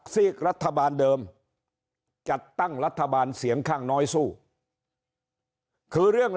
ซีกรัฐบาลเดิมจัดตั้งรัฐบาลเสียงข้างน้อยสู้คือเรื่อง